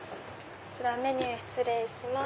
こちらメニュー失礼します。